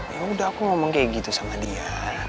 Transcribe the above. ya udah aku ngomong kayak gitu sama dia